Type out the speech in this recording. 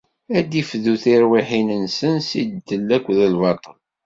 Ad d-ifdu tirwiḥin-nsen si ddel akked lbaṭel.